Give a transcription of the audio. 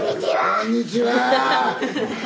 こんにちは！